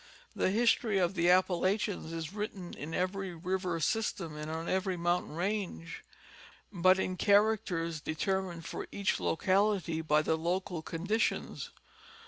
The history of the Appalachians is written in every river sys tem and on every mountain range, but in characters determined for each locality by the local conditions.